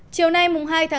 chương trình của séc